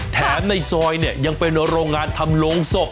ในซอยเนี่ยยังเป็นโรงงานทำโรงศพ